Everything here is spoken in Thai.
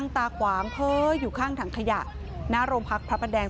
ทศุร์ธรรมอะไร